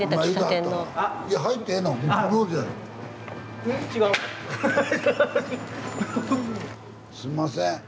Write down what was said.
すんません。